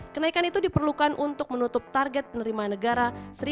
kenaikan itu diperlukan untuk menutup target penerimaan negara